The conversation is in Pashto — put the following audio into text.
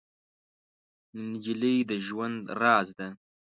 نجلۍ د ژوند راز ده.